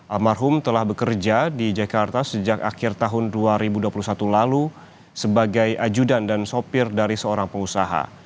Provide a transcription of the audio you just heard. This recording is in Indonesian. almarhum telah bekerja di jakarta sejak akhir tahun dua ribu dua puluh satu lalu sebagai ajudan dan sopir dari seorang pengusaha